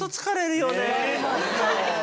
疲れるよ